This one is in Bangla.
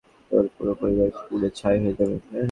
তোর পুরো পরিবার পুড়ে ছাই হয়ে যাবে।